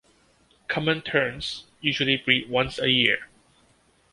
Common terns usually breed once a year.